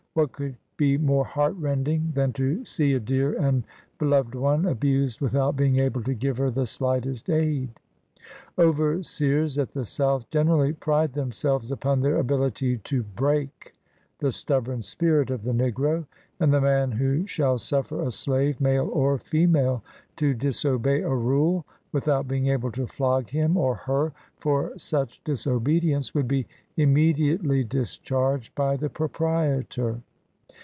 What could be more heart rending than to see a dear and beloved one abused without being able to give her the slightest aid? Overseers at the South generally pride themselves upon their ability to break the stub born spirit of the negro: and the man who shall suffer [are, male or female, to disobey a rule, without being able to flog him or her for such disobedience, would be immediately discharged by the proprietor.